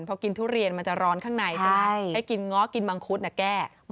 พอกินทุเรียนมันจะร้อนข้างในใช่ไหมให้กินง้อกินมังคุดแก้